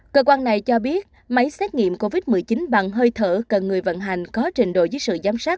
cơ quan này cho biết máy xét nghiệm covid một mươi chín bằng hơi thở cần người vận hành có trình độ dưới sự giám sát